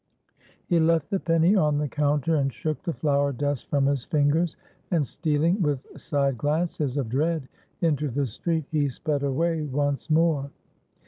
He left the penny on the counter, and shook the flour dust from his fingers, and, stealing with side glances of dread into the street, he sped away once more.